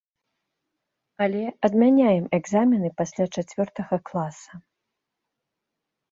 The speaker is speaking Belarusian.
Але адмяняем экзамены пасля чацвёртага класа.